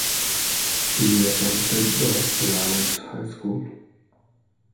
He attended the Alliance High School.